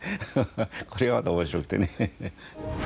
これがまた面白くてね。